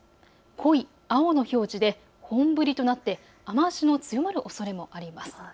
濃い青の表示で本降りとなって雨足の強まるおそれもあります。